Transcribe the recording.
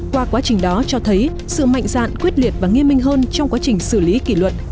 qua quá trình đó cho thấy sự mạnh dạn quyết liệt và nghiêm minh hơn trong quá trình xử lý kỷ luật